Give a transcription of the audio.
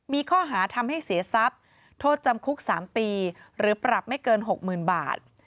มีข้อหาทำให้เสียทรัพย์โทษจำคุก๓ปีหรือปรับไม่เกิน๖๐๐๐บาท